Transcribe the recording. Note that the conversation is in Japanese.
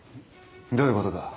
どういうことだ？